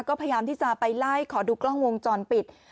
ก็พยายามที่จะไปไล่ขอดูกล้องวงจรปิด